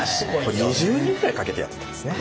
これ２０人ぐらいかけてやってたんですね。